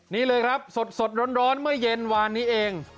นี่เลยครับสดร้อนเมื่อเย็นวานนี้เอง